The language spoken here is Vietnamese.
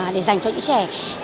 để dành cho những trẻ